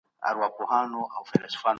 موږ د دې میراث ساتونکي یو.